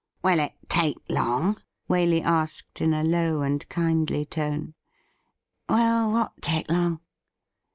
' Will it take long ?' Waley asked in a low and kindly tone. ' Will what take long